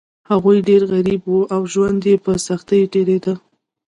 هغوی ډیر غریب وو او ژوند یې په سختیو تیریده.